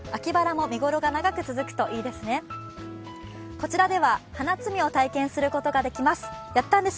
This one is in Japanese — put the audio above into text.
こちらでは花摘みを体験することができます。